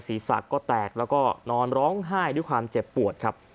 ศีรษะก็แตกแล้วก็นอนร้องไห้ด้วยความเจ็บปวดครับ